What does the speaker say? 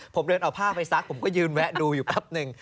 ผมเดินเอาผ้าไปซักผมก็ยืนแวะดูอยู่แป๊บหนึ่ง